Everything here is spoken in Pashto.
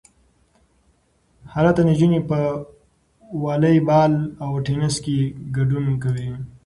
هلته نجونې په والی بال او ټینس کې ګډون کوي.